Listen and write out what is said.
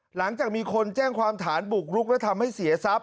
หลังจากมีคนแจ้งความฐานบุกรุกและทำให้เสียทรัพย